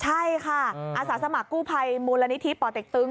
ใช่ค่ะอาสาสมัครกู้ภัยมูลนิธิป่อเต็กตึง